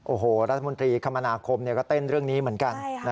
โอ้โหรัฐมนตรีคมนาคมก็เต้นเรื่องนี้เหมือนกัน